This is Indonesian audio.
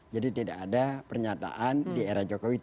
jadi tidak ada pernyataan di era jokowi